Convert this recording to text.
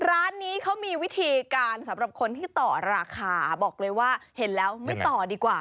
ร้านนี้เขามีวิธีการสำหรับคนที่ต่อราคาบอกเลยว่าเห็นแล้วไม่ต่อดีกว่า